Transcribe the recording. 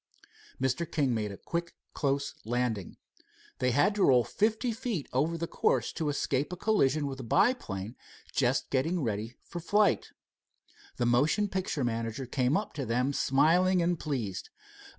Mr. King made a quick close landing. They had to roll fifty feet over the course to escape a collision with a biplane just getting ready for a flight. The motion picture manager came up to them smiling and pleased.